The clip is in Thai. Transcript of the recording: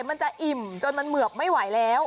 มันจะอิ่มจนมันเหมือบไม่ไหวแล้ว